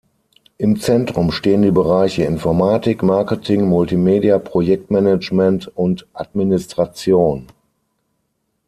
Im Zentrum stehen die Bereiche Informatik, Marketing, Multimedia, Projektmanagement und Administration.